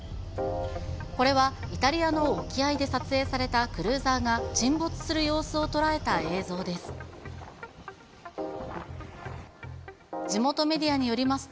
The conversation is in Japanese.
これはイタリアの沖合で撮影されたクルーザーが沈没する様子を捉えた映像です。